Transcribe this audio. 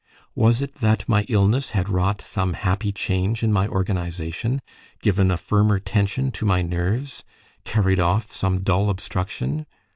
Was it that my illness had wrought some happy change in my organization given a firmer tension to my nerves carried off some dull obstruction?